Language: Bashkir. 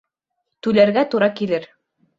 Түләргә тура килер